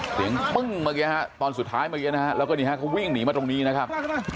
ปึ้งเมื่อกี้ฮะตอนสุดท้ายเมื่อกี้นะฮะแล้วก็นี่ฮะเขาวิ่งหนีมาตรงนี้นะครับ